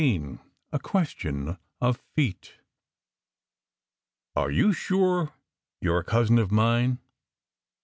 XIII A QUESTION OF FEET "Are you sure you're a cousin of mine?"